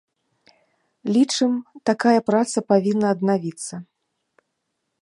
Лічым, такая праца павінна аднавіцца.